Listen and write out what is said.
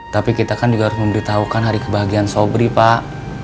tapi kita kan juga harus memberitahukan hari kebahagiaan sobri pak